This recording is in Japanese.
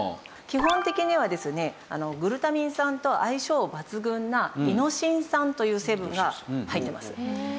基本的にはですねグルタミン酸と相性抜群なイノシン酸という成分が入ってます。